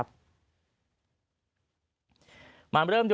สวัสดีค่ะ